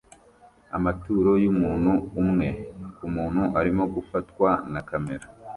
Amaturo yumuntu umwe kumuntu arimo gufatwa na kamera